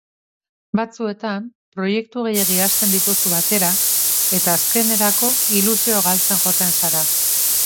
Batzuetan, proiektu gehiegi hasten dituzu batera eta azkenerako ilusioa galtzen joaten zara.